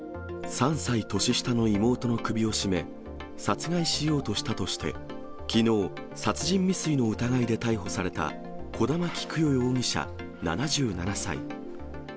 ３歳年下の妹の首を絞め、殺害しようとしたとして、きのう、殺人未遂の疑いで逮捕された小玉喜久代容疑者７７歳。